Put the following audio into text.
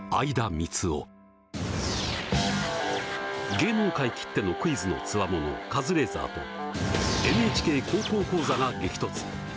芸能界きってのクイズの強者カズレーザーと「ＮＨＫ高校講座」が激突！